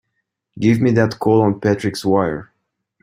Give me that call on Patrick's wire!